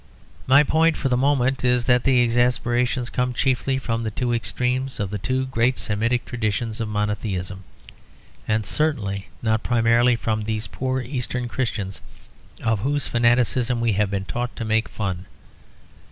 My point for the moment is that the exasperations come chiefly from the two extremes of the two great Semitic traditions of monotheism; and certainly not primarily from those poor Eastern Christians of whose fanaticism we have been taught to make fun.